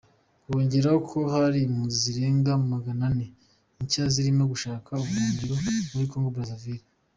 Bongeraho ko hari Impunzi zirenga magana ane nshya zirimo gushaka ubuhungiro muri Congo-Brazzaville.